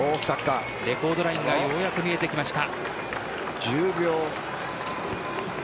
レコードラインが見えてきました。